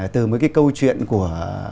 từ mấy cái câu chuyện của